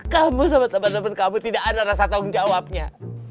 kamu sama teman teman kamu tidak ada rasa tanggung jawabnya